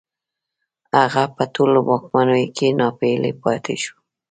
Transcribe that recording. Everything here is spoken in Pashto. هغه په ټولو واکمنیو کې ناپېیلی پاتې شو